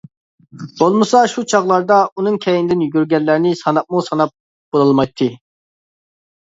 بولمىسا شۇ چاغلاردا ئۇنىڭ كەينىدىن يۈگۈرگەنلەرنى ساناپمۇ ساناپ بولالمايتتى.